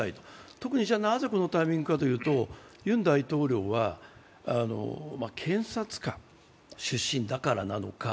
特に、なぜこのタイミングなのかというとユン大統領は検察官出身だからなのか